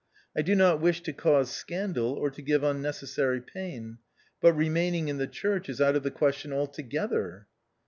I do not wish to cause scandal, or to give unnecessary pain. But remaining in the church is out of the question altogether."